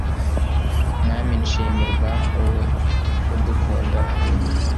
mwami shimirwa wowe udukunda